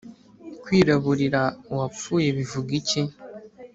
Kwiraburira uwapfuye bivuga iki?